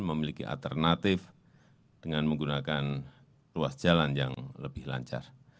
memiliki alternatif dengan menggunakan ruas jalan yang lebih lancar